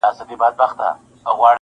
• ږغ به خپور سو د ځنګله تر ټولو غاړو -